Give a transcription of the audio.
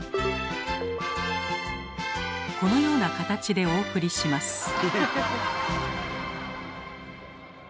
このような形でお送りします。